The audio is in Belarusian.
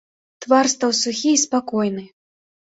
Твар стаў сухі і спакойны.